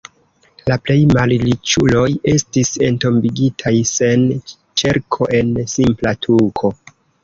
La plej-malriĉuloj estis entombigitaj sen ĉerko, en simpla tuko.